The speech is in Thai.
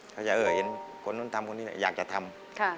เขาจะเห็นคนนู้นทำคนนี้อยากจะทำ